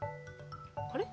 あれ？